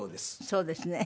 そうですね。